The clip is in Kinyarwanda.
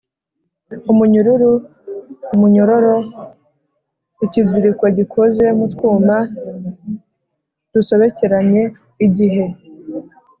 umunyurûru, umunyorȏro: ikiziriko gikoze mu twuma dusobekeranye; igihe